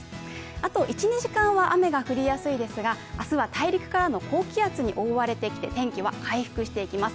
あと１２時間は雨が降りやすいですが明日は大陸からの高気圧に覆われてきて天気は回復していきます。